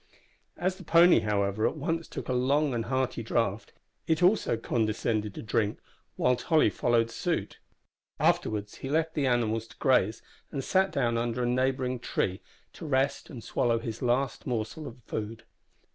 As the pony, however, at once took a long and hearty draught it also condescended to drink, while Tolly followed suit. Afterwards he left the animals to graze, and sat down under a neighbouring tree to rest and swallow his last morsel of food.